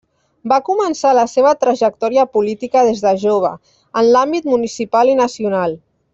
Va començar la seva trajectòria política des de jove, en l'àmbit municipal i nacional.